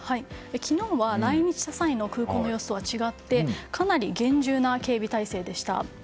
昨日は来日した際の空港の様子とは違ってかなり厳重な警備体制でした。